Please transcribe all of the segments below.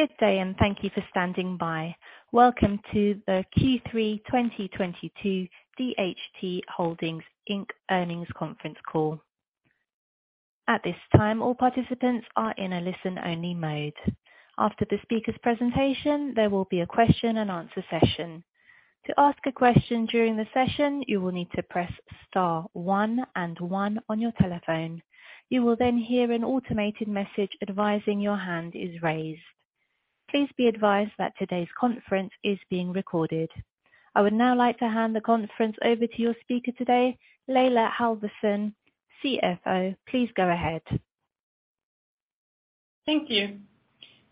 Good day, and thank you for standing by. Welcome to the Q3 2022 DHT Holdings, Inc. Earnings Conference Call. At this time, all participants are in a listen-only mode. After the speaker's presentation, there will be a question-and-answer session. To ask a question during the session, you will need to press star one and one on your telephone. You will then hear an automated message advising your hand is raised. Please be advised that today's conference is being recorded. I would now like to hand the conference over to your speaker today, Laila Halvorsen, CFO. Please go ahead. Thank you.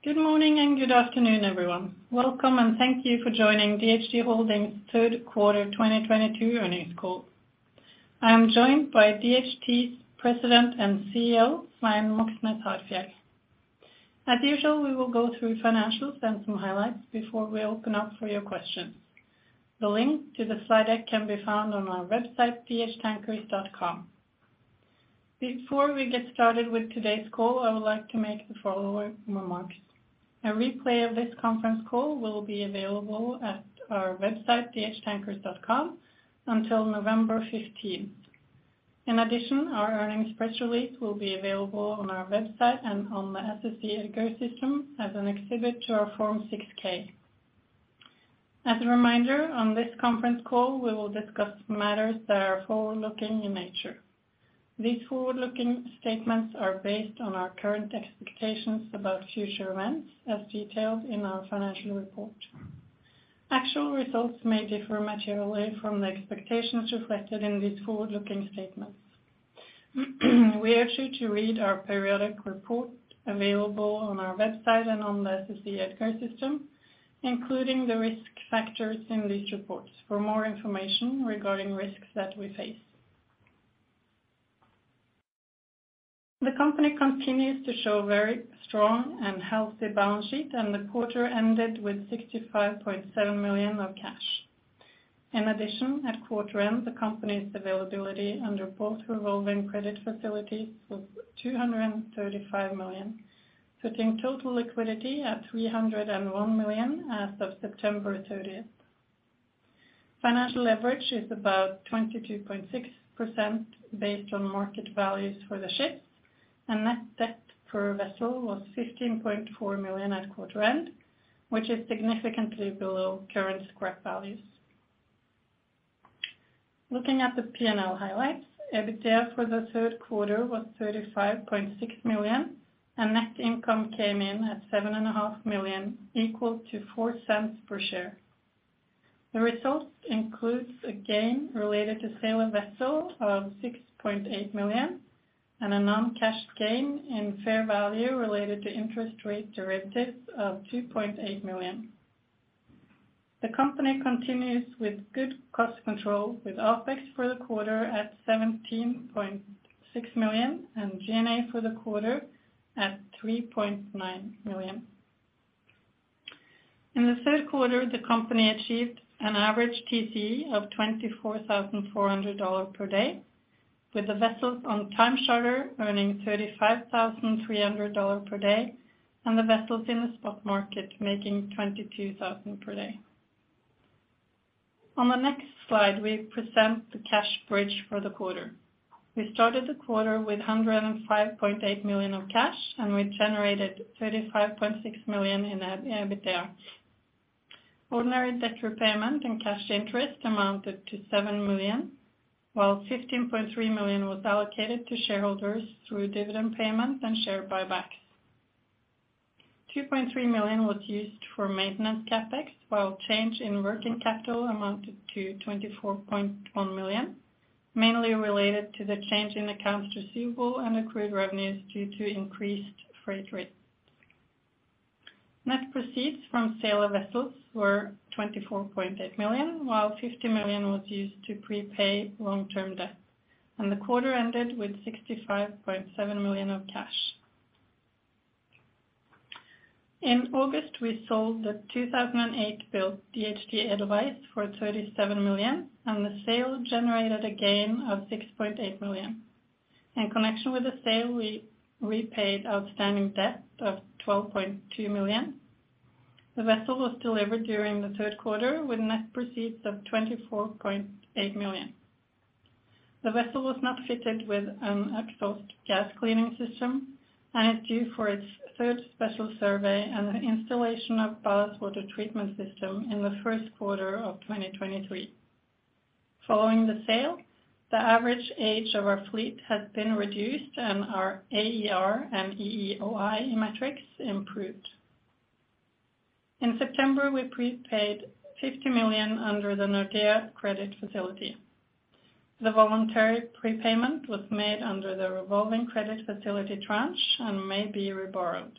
Good morning and good afternoon, everyone. Welcome and thank you for joining DHT Holdings third quarter 2022 earnings call. I am joined by DHT's President and CEO, Svein Moxnes Harfjeld. As usual, we will go through financials and some highlights before we open up for your questions. The link to the slide deck can be found on our website, dhtankers.com. Before we get started with today's call, I would like to make the following remarks. A replay of this conference call will be available at our website, dhtankers.com, until November fifteenth. In addition, our earnings press release will be available on our website and on the SEC EDGAR system as an exhibit to our Form 6-K. As a reminder, on this conference call, we will discuss matters that are forward-looking in nature. These forward-looking statements are based on our current expectations about future events as detailed in our financial report. Actual results may differ materially from the expectations reflected in these forward-looking statements. We urge you to read our periodic report available on our website and on the SEC EDGAR system, including the risk factors in these reports for more information regarding risks that we face. The company continues to show very strong and healthy balance sheet, and the quarter ended with $65.7 million of cash. In addition, at quarter end, the company's availability under both revolving credit facilities was $235 million, putting total liquidity at $301 million as of September 30. Financial leverage is about 22.6% based on market values for the ships, and net debt per vessel was $15.4 million at quarter end, which is significantly below current scrap values. Looking at the P&L highlights, EBITDA for the third quarter was $35.6 million, and net income came in at $7.5 million, equal to $0.04 per share. The results includes a gain related to sale of vessel of $6.8 million and a non-cash gain in fair value related to interest rate derivatives of $2.8 million. The company continues with good cost control, with OpEx for the quarter at $17.6 million and G&A for the quarter at $3.9 million. In the third quarter, the company achieved an average TCE of $24,400 per day, with the vessels on time charter earning $35,300 per day and the vessels in the spot market making $22,000 per day. On the next slide, we present the cash bridge for the quarter. We started the quarter with $105.8 million of cash, and we generated $35.6 million in EBITDA. Ordinary debt repayment and cash interest amounted to $7 million, while $15.3 million was allocated to shareholders through dividend payments and share buybacks. $2.3 million was used for maintenance CapEx, while change in working capital amounted to $24.1 million, mainly related to the change in accounts receivable and accrued revenues due to increased freight rates. Net proceeds from sale of vessels were $24.8 million, while $50 million was used to prepay long-term debt, and the quarter ended with $65.7 million of cash. In August, we sold the 2008-built DHT Edelweiss for $37 million, and the sale generated a gain of $6.8 million. In connection with the sale, we repaid outstanding debt of $12.2 million. The vessel was delivered during the third quarter with net proceeds of $24.8 million. The vessel was not fitted with an exhaust gas cleaning system and is due for its third special survey and the installation of ballast water treatment system in the first quarter of 2023. Following the sale, the average age of our fleet has been reduced and our AER and EEOI metrics improved. In September, we prepaid $50 million under the Nordea credit facility. The voluntary prepayment was made under the revolving credit facility tranche and may be reborrowed.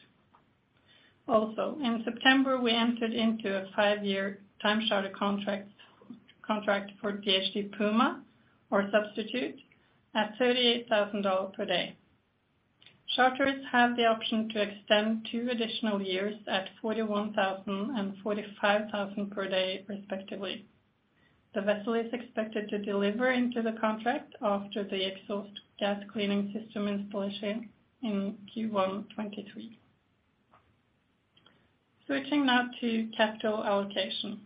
Also, in September, we entered into a five-year time charter contract for DHT Puma or substitute at $38,000 per day. Charters have the option to extend two additional years at $41,000 and $45,000 per day, respectively. The vessel is expected to deliver into the contract after the exhaust gas cleaning system installation in Q1 2023. Switching now to capital allocation.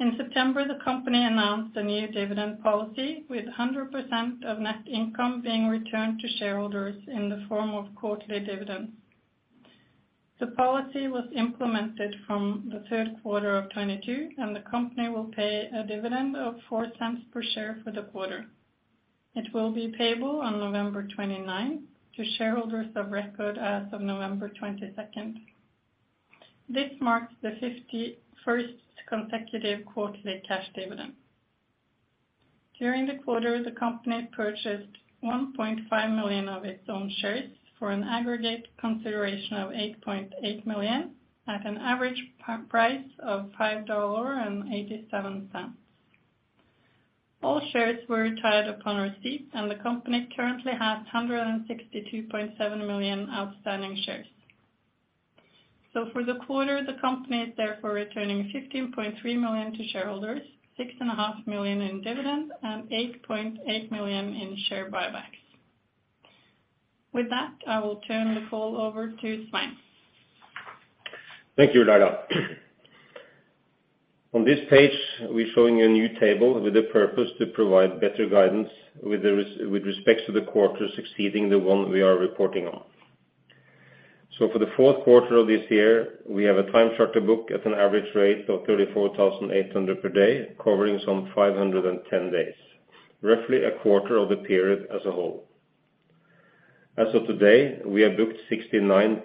In September, the company announced a new dividend policy with 100% of net income being returned to shareholders in the form of quarterly dividends. The policy was implemented from the third quarter of 2022, and the company will pay a dividend of $0.04 per share for the quarter. It will be payable on November 29th to shareholders of record as of November 22nd. This marks the 51st consecutive quarterly cash dividend. During the quarter, the company purchased 1.5 million of its own shares for an aggregate consideration of $8.8 million at an average price of $5.87. All shares were retired upon receipt, and the company currently has 162.7 million outstanding shares. For the quarter, the company is therefore returning $15.3 million to shareholders, $6.5 million in dividends, and $8.8 million in share buybacks. With that, I will turn the call over to Svein. Thank you, Laila. On this page, we're showing you a new table with the purpose to provide better guidance with respect to the quarter succeeding the one we are reporting on. For the fourth quarter of this year, we have a time charter book at an average rate of $34,800 per day, covering some 510 days, roughly a quarter of the period as a whole. As of today, we have booked 69%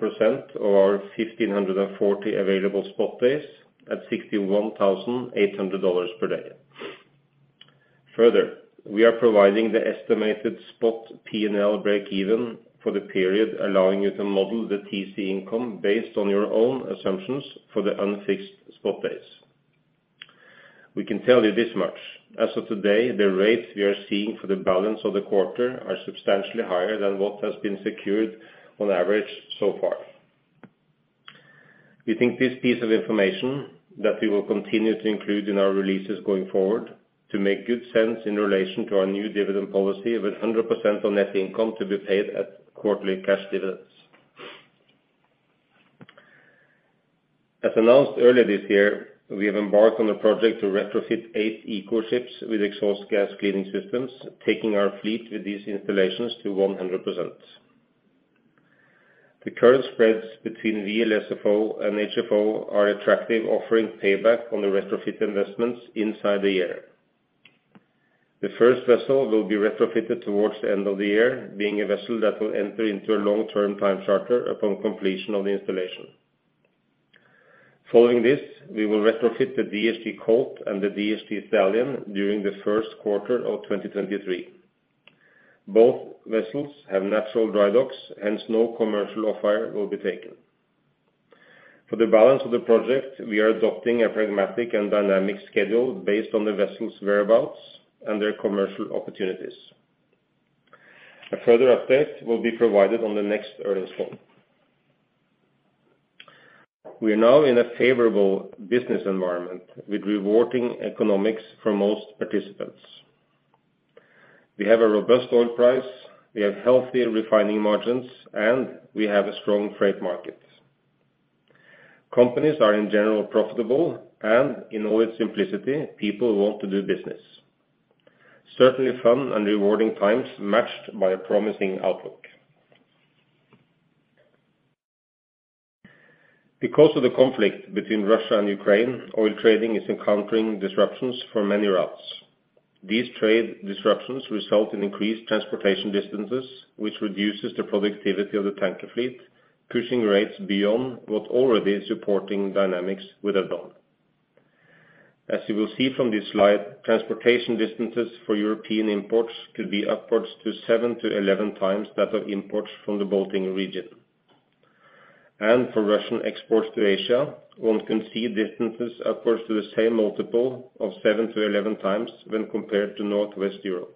of our 1,540 available spot days at $61,800 per day. Further, we are providing the estimated spot P&L breakeven for the period, allowing you to model the TC income based on your own assumptions for the unfixed spot days. We can tell you this much. As of today, the rates we are seeing for the balance of the quarter are substantially higher than what has been secured on average so far. We think this piece of information that we will continue to include in our releases going forward to make good sense in relation to our new dividend policy of 100% on net income to be paid at quarterly cash dividends. As announced earlier this year, we have embarked on a project to retrofit eight eco ships with exhaust gas cleaning systems, taking our fleet with these installations to 100%. The current spreads between VLSFO and HFO are attractive, offering payback on the retrofit investments inside the year. The first vessel will be retrofitted towards the end of the year, being a vessel that will enter into a long-term time charter upon completion of the installation. Following this, we will retrofit the DHT Colt and the DHT Stallion during the first quarter of 2023. Both vessels have natural dry docks, hence no commercial off-hire will be taken. For the balance of the project, we are adopting a pragmatic and dynamic schedule based on the vessel's whereabouts and their commercial opportunities. A further update will be provided on the next earnings call. We are now in a favorable business environment with rewarding economics for most participants. We have a robust oil price, we have healthy refining margins, and we have a strong freight market. Companies are in general profitable and in all its simplicity, people want to do business. Certainly fun and rewarding times matched by a promising outlook. Because of the conflict between Russia and Ukraine, oil trading is encountering disruptions for many routes. These trade disruptions result in increased transportation distances, which reduces the productivity of the tanker fleet, pushing rates beyond what already supporting dynamics would have done. As you will see from this slide, transportation distances for European imports could be upwards to 7-11 times that of imports from the Baltic region. For Russian exports to Asia, one can see distances upwards to the same multiple of 7-11 times when compared to Northwest Europe.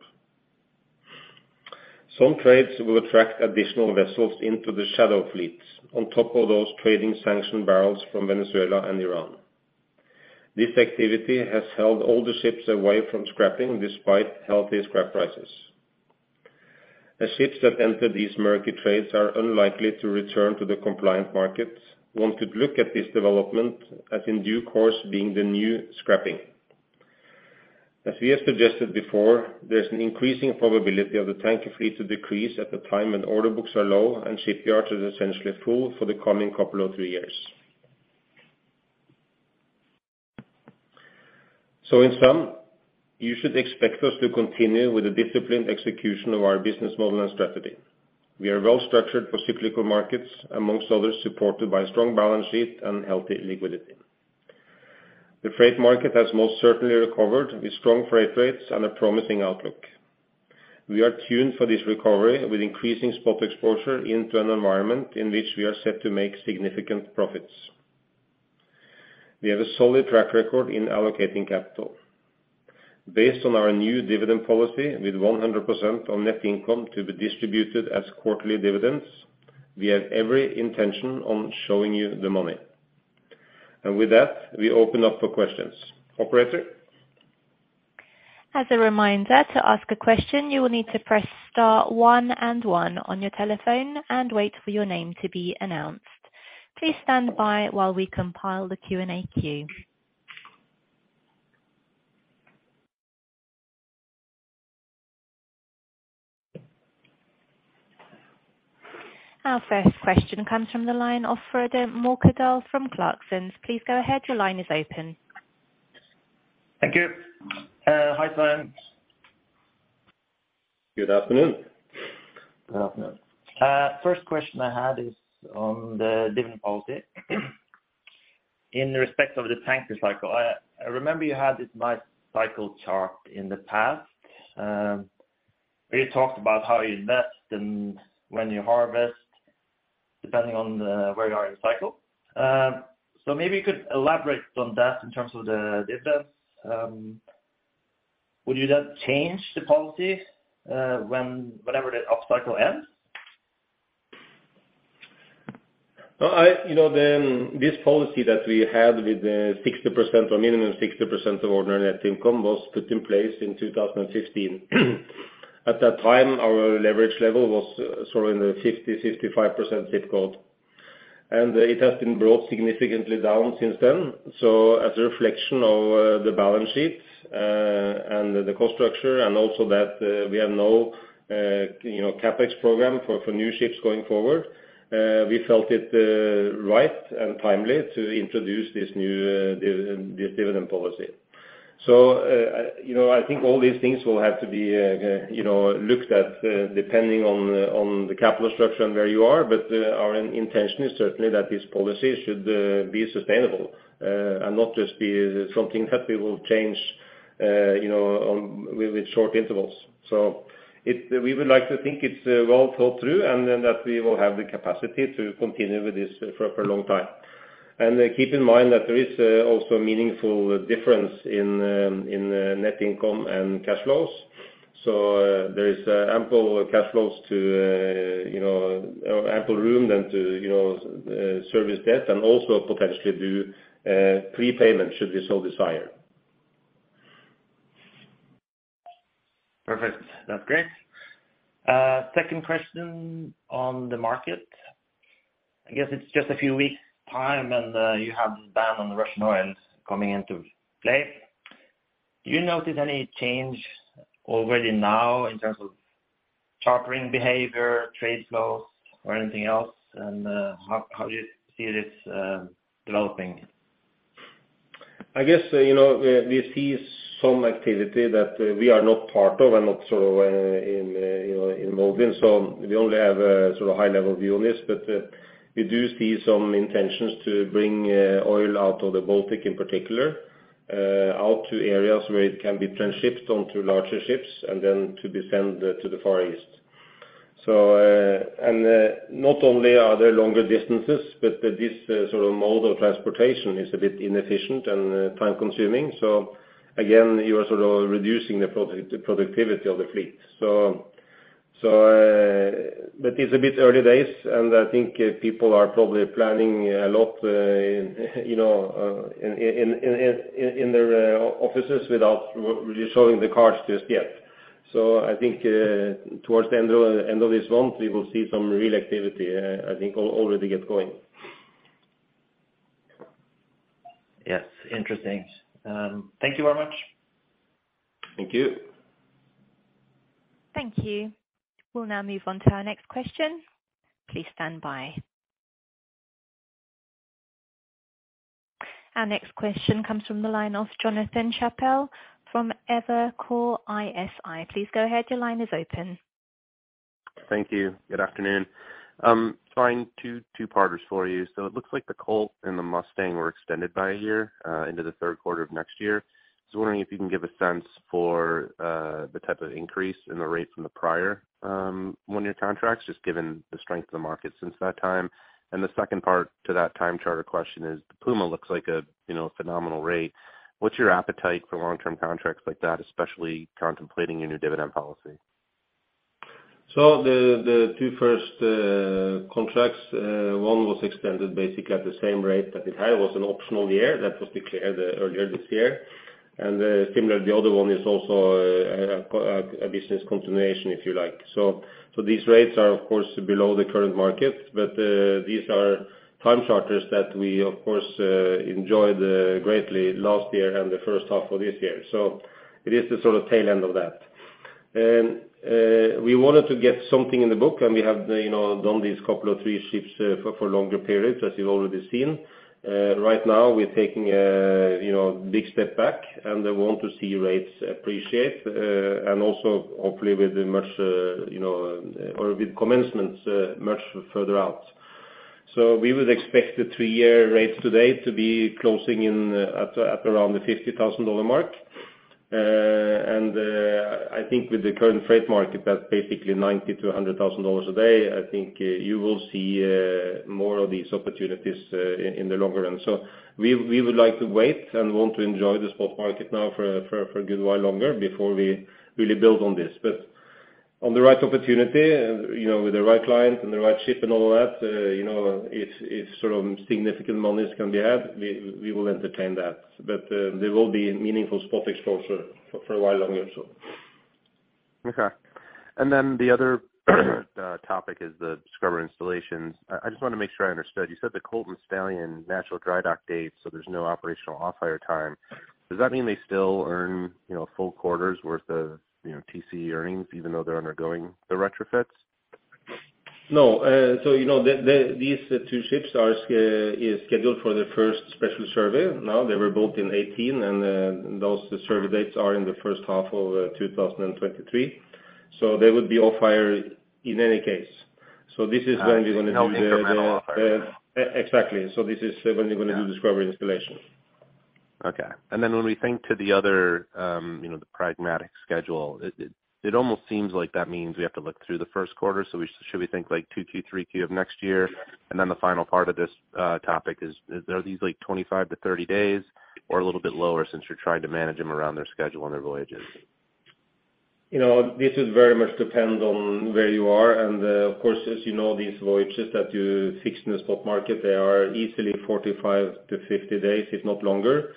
Some trades will attract additional vessels into the shadow fleets on top of those trading sanction barrels from Venezuela and Iran. This activity has held all the ships away from scrapping despite healthy scrap prices. As ships that enter these murky trades are unlikely to return to the compliant markets, one could look at this development as in due course being the new scrapping. As we have suggested before, there's an increasing probability of the tanker fleet to decrease at the time when order books are low and shipyards are essentially full for the coming couple or three years. In sum, you should expect us to continue with the disciplined execution of our business model and strategy. We are well-structured for cyclical markets, among others, supported by a strong balance sheet and healthy liquidity. The freight market has most certainly recovered with strong freight rates and a promising outlook. We are tuned for this recovery with increasing spot exposure into an environment in which we are set to make significant profits. We have a solid track record in allocating capital. Based on our new dividend policy with 100% on net income to be distributed as quarterly dividends, we have every intention on showing you the money. With that, we open up for questions. Operator? As a reminder, to ask a question, you will need to press star one and one on your telephone and wait for your name to be announced. Please stand by while we compile the Q&A queue. Our first question comes from the line of Frode Morkedal from Clarksons. Please go ahead. Your line is open. Thank you. Hi, Sven. Good afternoon. Good afternoon. First question I had is on the dividend policy in respect of the tanker cycle. I remember you had this nice cycle chart in the past. Where you talked about how you invest and when you harvest depending on where you are in the cycle. Maybe you could elaborate on that in terms of the dividends. Would you then change the policy, whenever the up cycle ends? Well, you know, then this policy that we had with the 60% or minimum 60% of ordinary net income was put in place in 2016. At that time, our leverage level was sort of in the 50-55% zip code. It has been brought significantly down since then. As a reflection of the balance sheet and the cost structure and also that we have no, you know, CapEx program for new ships going forward, we felt it right and timely to introduce this new dividend policy. You know, I think all these things will have to be, you know, looked at depending on the capital structure and where you are. Our intention is certainly that this policy should be sustainable and not just be something that we will change, you know, with short intervals. We would like to think it's well thought through and then that we will have the capacity to continue with this for a long time. Keep in mind that there is also a meaningful difference in net income and cash flows. There is ample cash flows to, you know, or ample room then to, you know, service debt and also potentially do prepayment should we so desire. Perfect. That's great. Second question on the market. I guess it's just a few weeks time, and you have this ban on the Russian oils coming into play. Do you notice any change already now in terms of chartering behavior, trade flows or anything else? How do you see this developing? I guess, you know, we see some activity that we are not part of and not sort of in, you know, involved in. We only have a sort of high level view on this. We do see some intentions to bring oil out of the Baltic in particular out to areas where it can be transshipped onto larger ships and then to be sent to the Far East. Not only are there longer distances, but this sort of mode of transportation is a bit inefficient and time-consuming. Again, you are sort of reducing the productivity of the fleet. It's a bit early days, and I think people are probably planning a lot, you know, in their offices without really showing their cards just yet. I think, towards the end of this month, we will see some real activity, I think, already get going. Yes. Interesting. Thank you very much. Thank you. Thank you. We'll now move on to our next question. Please stand by. Our next question comes from the line of Jonathan Chappell from Evercore ISI. Please go ahead. Your line is open. Thank you. Good afternoon. I have two-parters for you. It looks like the Colt and the Mustang were extended by a year into the third quarter of next year. Wondering if you can give a sense for the type of increase in the rate from the prior 1-year contracts, just given the strength of the market since that time. The second part to that time charter question is, the Puma looks like a, you know, phenomenal rate. What's your appetite for long-term contracts like that, especially contemplating your new dividend policy? The two first contracts, one was extended basically at the same rate that it had. It was an optional year that was declared earlier this year. Similar, the other one is also a business continuation, if you like. These rates are of course below the current market, but these are time charters that we of course enjoyed greatly last year and the first half of this year. It is the sort of tail end of that. We wanted to get something in the book, and we have, you know, done these couple of three ships for longer periods, as you've already seen. Right now we're taking, you know, big step back, and we want to see rates appreciate, and also hopefully with the much, you know, or with commencements, much further out. We would expect the three-year rates today to be closing in at around the $50,000 mark. I think with the current freight market, that's basically $90,000-$100,000 a day. I think you will see more of these opportunities in the longer run. We would like to wait and want to enjoy the spot market now for a good while longer before we really build on this. On the right opportunity and, you know, with the right client and the right ship and all of that, you know, if sort of significant monies can be had, we will entertain that. There will be meaningful spot exposure for a while longer, so. Okay. The other topic is the scrubber installations. I just wanna make sure I understood. You said the Colt and Stallion natural dry dock date, so there's no operational off-hire time. Does that mean they still earn, you know, full quarters worth of, you know, TC earnings even though they're undergoing the retrofits? No. You know, these two ships are scheduled for the first special survey now. They were built in 2018, and those survey dates are in the first half of 2023. They would be off-hire in any case. This is when we're gonna do the. Got you. The incremental off-hire. Exactly. This is when we're gonna do scrubber installation. Okay. When we think to the other, you know, the pragmatic schedule, it almost seems like that means we have to look through the first quarter, so should we think like 2Q, 3Q of next year? The final part of this topic is, are these like 25-30 days or a little bit lower since you're trying to manage them around their schedule and their voyages? You know, this is very much depends on where you are. Of course, as you know, these voyages that you fix in the spot market, they are easily 45-50 days, if not longer.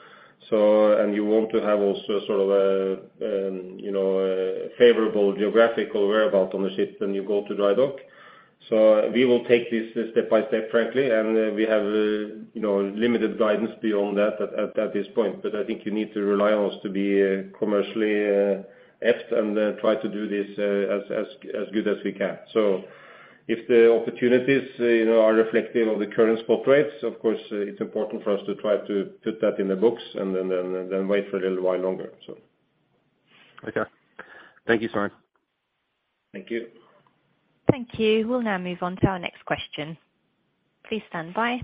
You want to have also sort of a, you know, a favorable geographical whereabouts on the ships when you go to dry dock. We will take this step by step, frankly, and we have, you know, limited guidance beyond that at this point. I think you need to rely on us to be commercially apt and try to do this as good as we can. If the opportunities, you know, are reflective of the current spot rates, of course it's important for us to try to put that in the books and then wait for a little while longer. Okay. Thank you, Svein. Thank you. Thank you. We'll now move on to our next question. Please stand by.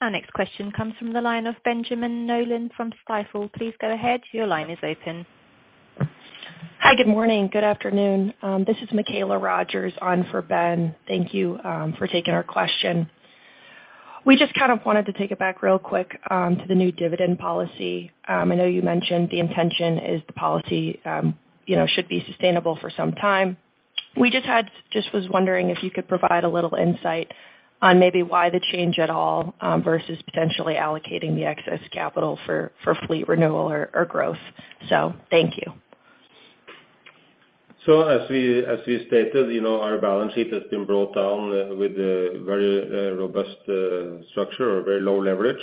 Our next question comes from the line of Benjamin Nolan from Stifel. Please go ahead. Your line is open. Hi. Good morning. Good afternoon. This is Michaela Rogers on for Ben. Thank you for taking our question. We just kind of wanted to take it back real quick to the new dividend policy. I know you mentioned the intention is the policy, you know, should be sustainable for some time. We just was wondering if you could provide a little insight on maybe why the change at all versus potentially allocating the excess capital for fleet renewal or growth. Thank you. As we stated, you know, our balance sheet has been brought down with a very robust structure or very low leverage.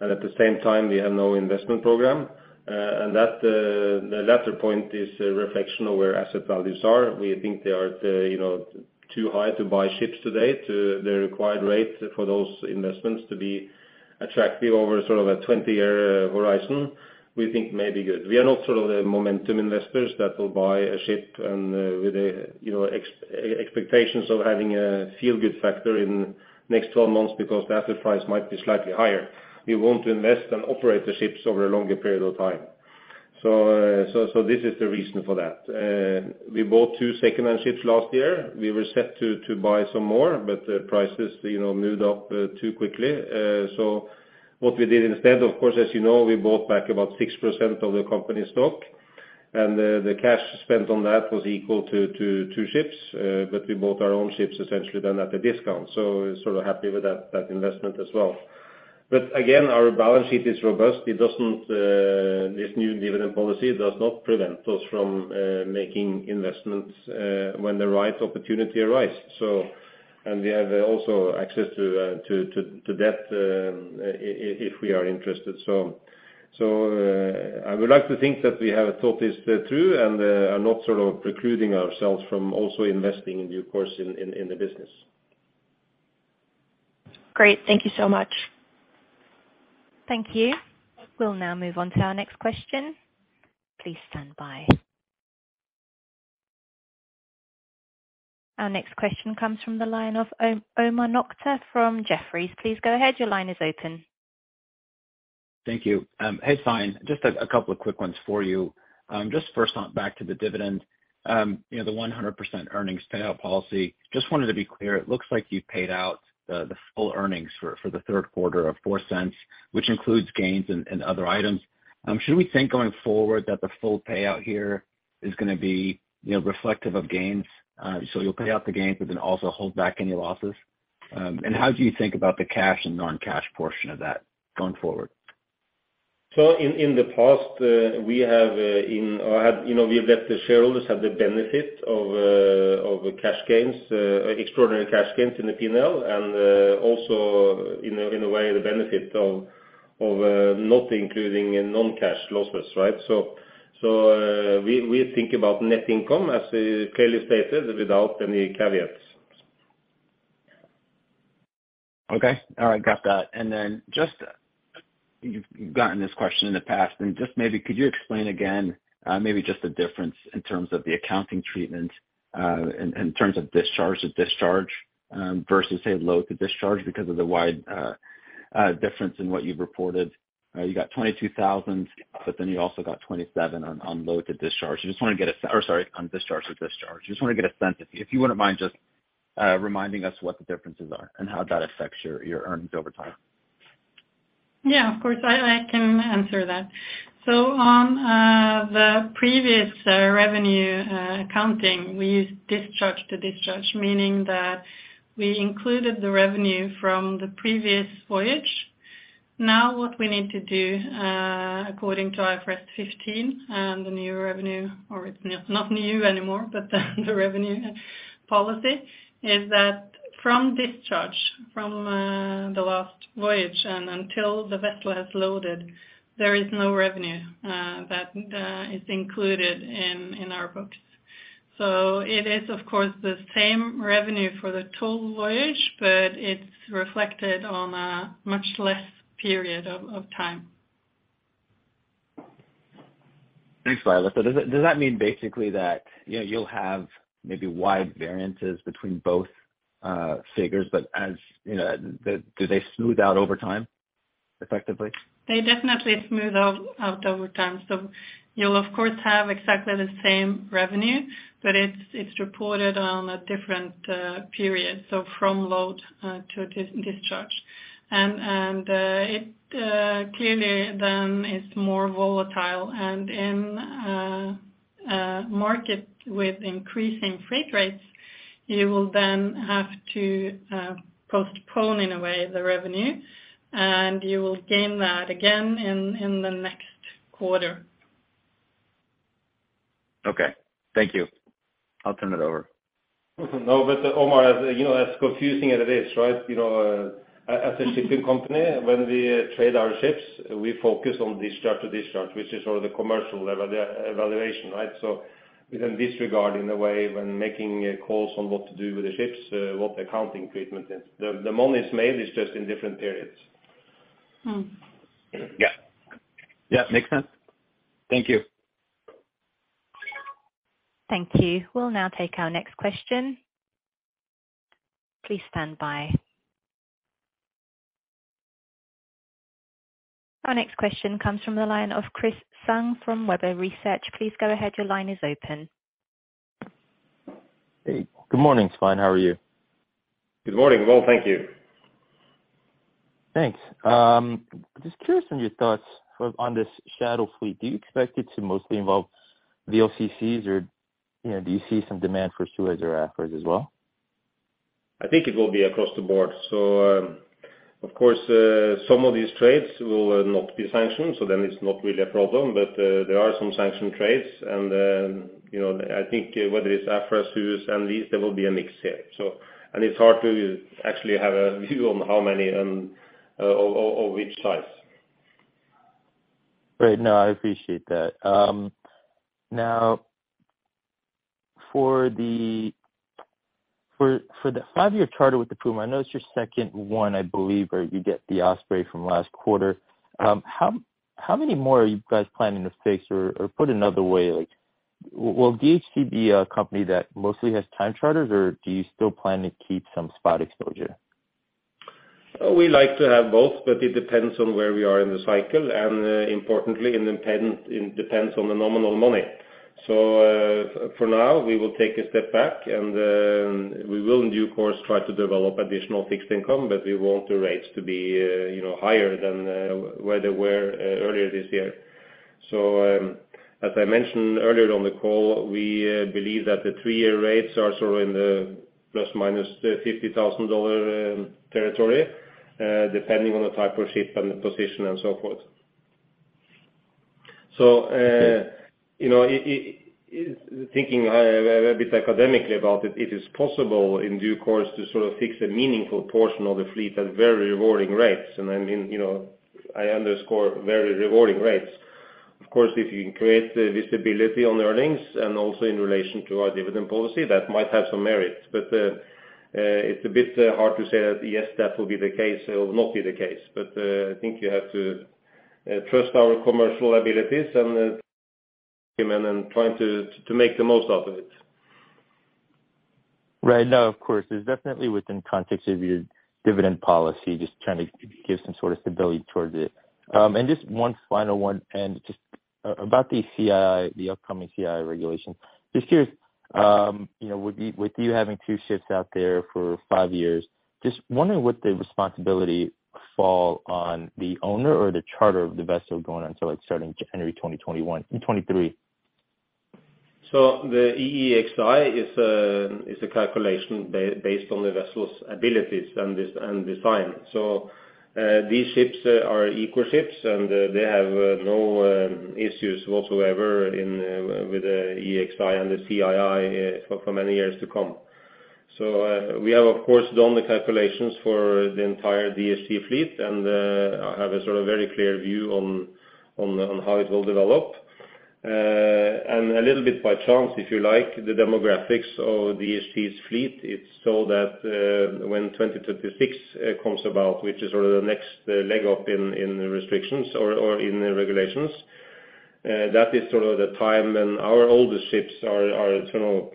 At the same time, we have no investment program. The latter point is a reflection of where asset values are. We think they are, you know, too high to buy ships today at the required rate for those investments to be attractive over sort of a 20-year horizon, we think may be good. We are not sort of the momentum investors that will buy a ship with expectations of having a feel-good factor in the next 12 months because the asset price might be slightly higher. We want to invest and operate the ships over a longer period of time. This is the reason for that. We bought two secondhand ships last year. We were set to buy some more, but prices, you know, moved up too quickly. What we did instead, of course, as you know, we bought back about 6% of the company stock, and the cash spent on that was equal to two ships. We bought our own ships essentially then at a discount, so sort of happy with that investment as well. Again, our balance sheet is robust. It doesn't. This new dividend policy does not prevent us from making investments when the right opportunity arise. We have also access to debt if we are interested. I would like to think that we have thought this through and are not sort of precluding ourselves from also investing in due course in the business. Great. Thank you so much. Thank you. We'll now move on to our next question. Please stand by. Our next question comes from the line of Omar Nokta from Jefferies. Please go ahead. Your line is open. Thank you. Hey, Svein. Just a couple of quick ones for you. Just first on back to the dividend. You know, the 100% earnings payout policy, just wanted to be clear, it looks like you paid out the full earnings for the third quarter of $0.04, which includes gains and other items. Should we think going forward that the full payout here is gonna be, you know, reflective of gains? So you'll pay out the gains but then also hold back any losses? And how do you think about the cash and non-cash portion of that going forward? In the past, you know, we have let the shareholders have the benefit of cash gains, extraordinary cash gains in the P&L and also in a way, the benefit of not including non-cash losses, right? We think about net income, as clearly stated, without any caveats. Okay. All right. Got that. Then just, you've gotten this question in the past and just maybe could you explain again, maybe just the difference in terms of the accounting treatment, in terms of discharge to discharge, versus say load to discharge because of the wide difference in what you've reported? All right, you got $22,000, but then you also got $27,000 on discharge to discharge. I just want to get a sense if you wouldn't mind just reminding us what the differences are and how that affects your earnings over time. Yeah, of course, I can answer that. On the previous revenue accounting, we used discharge to discharge, meaning that we included the revenue from the previous voyage. Now what we need to do according to IFRS 15 and the new revenue, or it's not new anymore, but the revenue policy is that from discharge from the last voyage and until the vessel has loaded, there is no revenue that is included in our books. It is, of course, the same revenue for the total voyage, but it's reflected on a much less period of time. Thanks, Leyla. Does that mean basically that, you know, you'll have maybe wide variances between both figures, but as you know, do they smooth out over time effectively? They definitely smooth out over time. You'll of course have exactly the same revenue, but it's reported on a different period. From load to discharge. It clearly then is more volatile. In a market with increasing freight rates, you will then have to postpone in a way the revenue, and you will gain that again in the next quarter. Okay. Thank you. I'll turn it over. No, but Omar, as you know, as confusing as it is, right? You know, as a shipping company, when we trade our ships, we focus on discharge to discharge, which is sort of the commercial level evaluation, right? So we can disregard in a way when making calls on what to do with the ships, what the accounting treatment is. The money is made, it's just in different periods. Mm. Yeah. Yeah, makes sense. Thank you. Thank you. We'll now take our next question. Please stand by. Our next question comes from the line of Chris Tsung from Webber Research. Please go ahead. Your line is open. Hey. Good morning, Svein. How are you? Good morning. Well, thank you. Thanks. Just curious on your thoughts on this shadow fleet. Do you expect it to mostly involve VLCCs or, you know, do you see some demand for Suezmax or Aframaxes as well? I think it will be across the board. Of course, some of these trades will not be sanctioned, so then it's not really a problem. There are some sanctioned trades and then, you know, I think whether it's Aframax, Suezmax, and these, there will be a mix here. It's hard to actually have a view on how many, or which size. Great. No, I appreciate that. Now for the five-year charter with the Puma, I know it's your second one, I believe, where you get the Osprey from last quarter. How many more are you guys planning to fix or put another way, like, will DHT be a company that mostly has time charters, or do you still plan to keep some spot exposure? We like to have both, but it depends on where we are in the cycle and importantly, it depends on the nominal money. For now we will take a step back and we will in due course try to develop additional fixed income, but we want the rates to be, you know, higher than where they were earlier this year. As I mentioned earlier on the call, we believe that the three-year rates are sort of in the ±$50,000 territory, depending on the type of ship and the position and so forth. You know, thinking a bit academically about it is possible in due course to sort of fix a meaningful portion of the fleet at very rewarding rates. I mean, you know, I underscore very rewarding rates. Of course, if you can create visibility on earnings and also in relation to our dividend policy, that might have some merits. It's a bit hard to say that, yes, that will be the case. It will not be the case. I think you have to trust our commercial abilities and trying to make the most out of it. Right. No, of course, it's definitely within context of your dividend policy, just trying to give some sort of stability towards it. Just one final one. Just about the CII, the upcoming CII regulation. Just curious, you know, with you having two ships out there for five years, just wondering would the responsibility fall on the owner or the charter of the vessel going on till it's starting January 2023. The EEXI is a calculation based on the vessel's abilities and its design. These ships are eco ships, and they have no issues whatsoever with the EEXI and the CII for many years to come. We have of course done the calculations for the entire DHT fleet. I have a sort of very clear view on how it will develop. A little bit by chance, if you like, the demographics of DHT's fleet, it's so that when 2026 comes about, which is sort of the next leg up in restrictions or in regulations. That is sort of the time when our oldest ships are sort of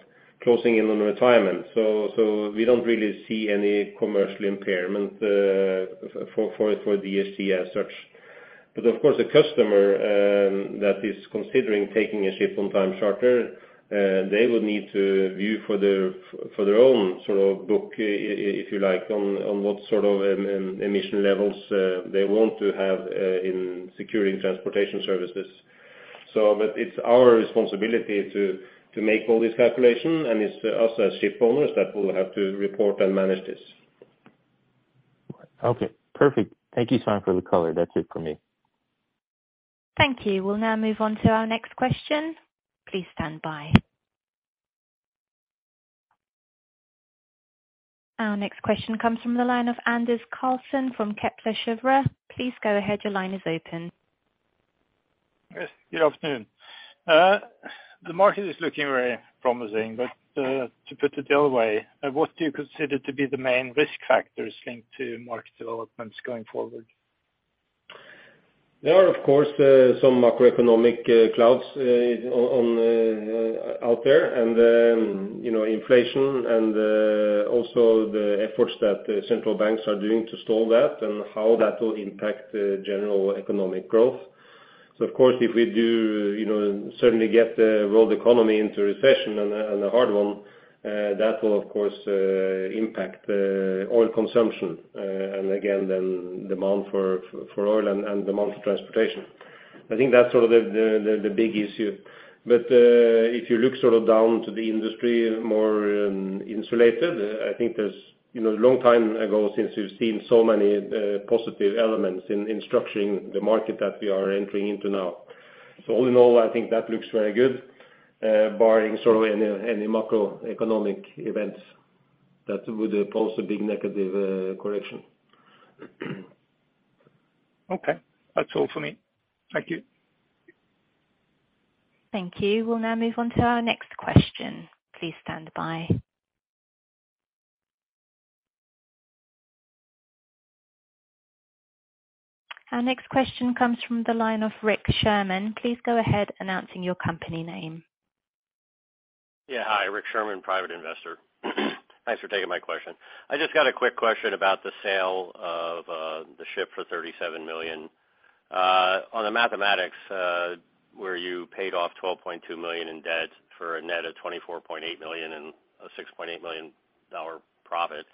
closing in on retirement. We don't really see any commercial impairment for DHT as such. Of course, a customer that is considering taking a ship on time charter, they would need to weigh for their, for their own sort of book, if you like, on what sort of emission levels they want to have in securing transportation services. It's our responsibility to make all these calculations, and it's us as ship owners that will have to report and manage this. Okay, perfect. Thank you, Svein, for the color. That's it for me. Thank you. We'll now move on to our next question. Please stand by. Our next question comes from the line of Anders Redigh Karlsen from Kepler Cheuvreux. Please go ahead. Your line is open. Yes. Good afternoon. The market is looking very promising, but to put the deal away, what do you consider to be the main risk factors linked to market developments going forward? There are, of course, some macroeconomic clouds out there and then, you know, inflation and also the efforts that the central banks are doing to stall that and how that will impact the general economic growth. Of course, if we do, you know, certainly get the world economy into recession and a hard one, that will of course impact the oil consumption and again, then demand for oil and demand for transportation. I think that's sort of the big issue. If you look sort of down to the industry, more insulated, I think there's, you know, a long time ago since we've seen so many positive elements in structuring the market that we are entering into now. All in all, I think that looks very good, barring sort of any macroeconomic events that would pose a big negative correction. Okay. That's all for me. Thank you. Thank you. We'll now move on to our next question. Please stand by. Our next question comes from the line of Rick Sherman. Please go ahead announcing your company name. Hi, Rick Sherman, private investor. Thanks for taking my question. I just got a quick question about the sale of the ship for $37 million. On the mathematics, where you paid off $12.2 million in debt for a net of $24.8 million and a $6.8 million dollar profit.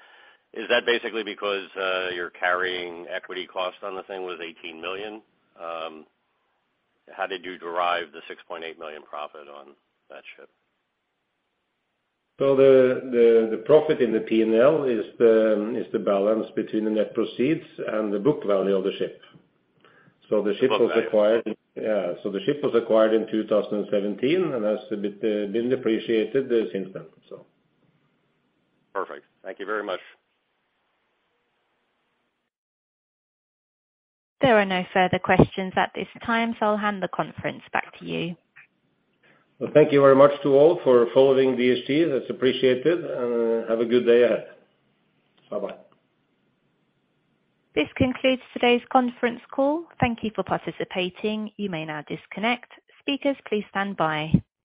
Is that basically because your carrying equity cost on the thing was $18 million? How did you derive the $6.8 million profit on that ship? The profit in the P&L is the balance between the net proceeds and the book value of the ship. The ship was acquired- Okay. The ship was acquired in 2017 and has a bit been depreciated since then. Perfect. Thank you very much. There are no further questions at this time, so I'll hand the conference back to you. Well, thank you very much to all for following DHT. That's appreciated. Have a good day ahead. Bye-bye. This concludes today's conference call. Thank you for participating. You may now disconnect. Speakers, please stand by.